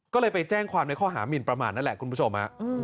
ก็เลยไปแจ้งความในข้อหามินประมาทนั่นแหละคุณผู้ชม